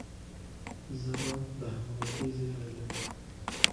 ژبه د همږغی زیری دی.